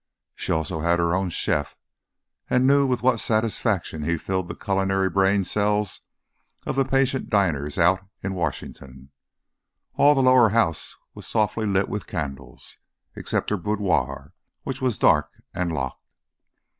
She also had her own chef, and knew with what satisfaction he filled the culinary brain cells of the patient diner out in Washington. All the lower house was softly lit with candles; except her boudoir, which was dark and locked.